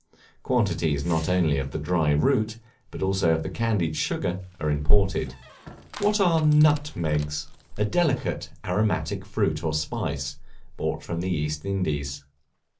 Quantities not only of the dried root, but also of the candied sugar, are imported. What are Nutmegs? A delicate aromatic fruit or spice, brought from the East Indies.